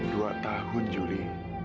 dua tahun juli